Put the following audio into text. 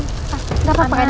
gak apa apa kan ya